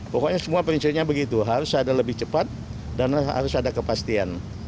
pokoknya semua prinsipnya begitu harus ada lebih cepat dan harus ada kepastian